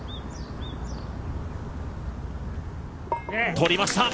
取りました！